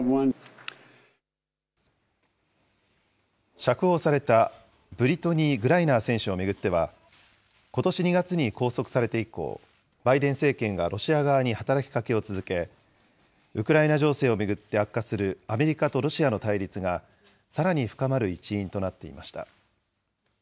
釈放されたブリトニー・グライナー選手を巡っては、ことし２月に拘束されて以降、バイデン政権がロシア側に働きかけを続け、ウクライナ情勢を巡って悪化するアメリカとロシアの対立がさらに深まる一因となっていました。